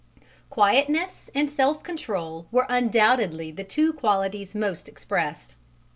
Quietness and self control were undoubtedly the two qualities most expressed.